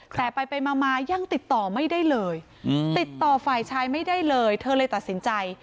แต่ไปมายังติดต่อไม่ได้เลยติดต่อฝ่ายชายไม่ได้เลยเธอเลยตัดสินใจ